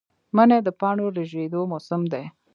منی د پاڼو ریژیدو موسم دی